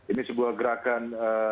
ini sebuah gerakan